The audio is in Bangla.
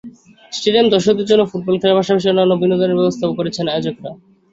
স্টেডিয়ামে দর্শকদের জন্য ফুটবল খেলার পাশাপাশি অন্যান্য বিনোদনের ব্যবস্থাও করেছেন আয়োজকেরা।